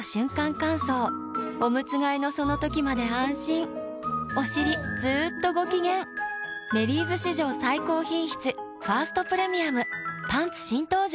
乾燥おむつ替えのその時まで安心おしりずっとご機嫌「メリーズ」史上最高品質「ファーストプレミアム」パンツ新登場！